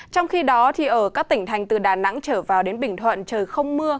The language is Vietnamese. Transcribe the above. trong khi đó ở các tỉnh thành từ đà nẵng trở vào đến bình thuận trời không mưa